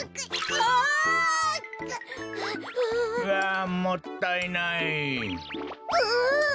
あもったいない。